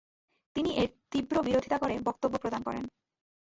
তিনি এর তীব্র বিরোধীতা করে বক্তব্য প্রদান করেন।